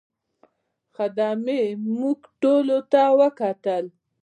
خدمې موږ ټولو ته وکتل.